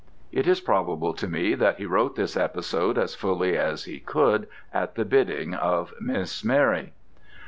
It is probable to me that he wrote this episode as fully as he could at the bidding of Miss Mary.